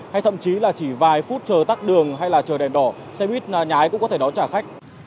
hay thậm chí là chỉ vài phút chờ tắt đường hay là chờ đèn đỏ xe buýt nhái cũng có thể đón trả khách